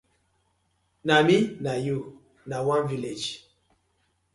Na mi na yu na one village.